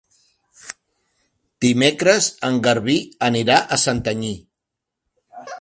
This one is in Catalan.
Dimecres en Garbí anirà a Santanyí.